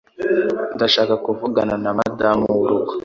Ndashaka kuvugana numudamu wurugo.